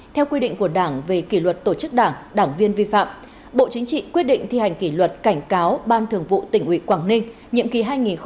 theo quy định của đảng về kỷ luật tổ chức đảng đảng viên vi phạm bộ chính trị quyết định thi hành kỷ luật cảnh cáo ban thường vụ tỉnh ủy quảng ninh nhiệm kỳ hai nghìn một mươi năm hai nghìn hai mươi